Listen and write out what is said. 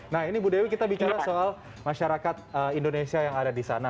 nah ini bu dewi kita bicara soal masyarakat indonesia yang ada di sana